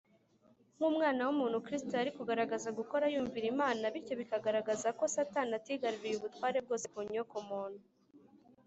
. Nk’Umwana w’umuntu, Kristo yari kugaragaza gukora yumvira Imana. Bityo bikagaragaza ko Satani atigaruriye ubutware bwose ku nyokomuntu